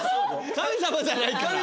神様じゃないから。